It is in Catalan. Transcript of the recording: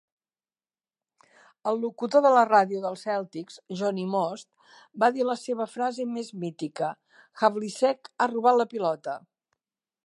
El locutor de la ràdio dels Celtics, Johnny Most, va dir la seva frase més mítica: Havlicek ha robat la pilota!